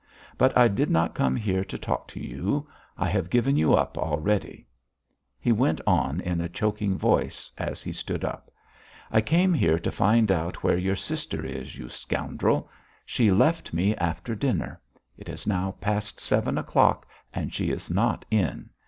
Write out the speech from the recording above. But I did not come here to talk to you. I have given you up already." He went on in a choking voice, as he stood up: "I came here to find out where your sister is, you scoundrel! She left me after dinner. It is now past seven o'clock and she is not in.